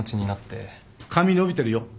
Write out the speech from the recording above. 髪伸びてるよ。